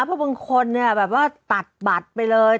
เพราะบางคนเนี่ยแบบว่าตัดบัตรไปเลย